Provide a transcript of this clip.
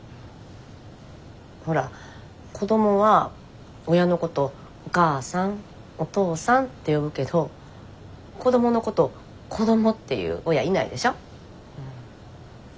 ほら子どもは親のこと「お母さん」「お父さん」って呼ぶけど子どものこと「子ども」って言う親いないでしょ？